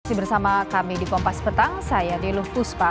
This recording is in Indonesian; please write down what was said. sisi bersama kami di kompas petang saya deluh fuspa